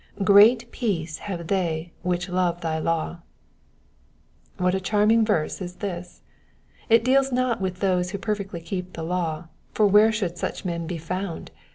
''''Great peace have they which love thy law,'''' What a charming verse is this 1 It de lis not with those who perfectly keep the law, for where should such men be found